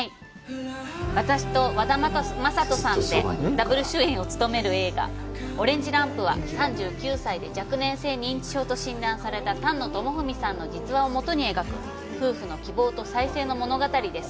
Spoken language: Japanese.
私と和田正人さんでダブル主演を務める映画「オレンジ・ランプ」は、３９歳で若年性認知症と診断された丹野智文さんの実話を基に描く、夫婦の希望と再生の物語です。